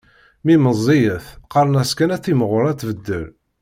Mi meẓẓiyet, qqaren-as kan ad timɣur ad tbeddel